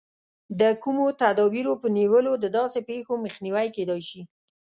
د کومو تدابیرو په نیولو د داسې پېښو مخنیوی کېدای شي.